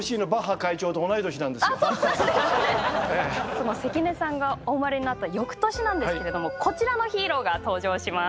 その関根さんがお生まれになったよくとしなんですけれどもこちらのヒーローが登場します。